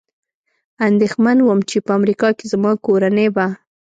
اندېښمن ووم، چې په امریکا کې زما کورنۍ به.